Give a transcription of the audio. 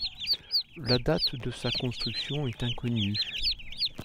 La date de sa construction est inconnue.